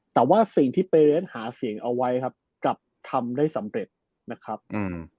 แต่ว่าสิ่งที่เปเลสหาเสียงเอาไว้ครับกลับทำได้สำเร็จนะครับอืม